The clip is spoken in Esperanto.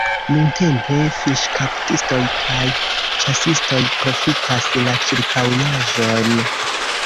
Nuntempe fiŝkaptistoj kaj ĉasistoj profitas la ĉirkaŭaĵon.